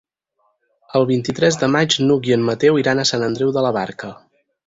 El vint-i-tres de maig n'Hug i en Mateu iran a Sant Andreu de la Barca.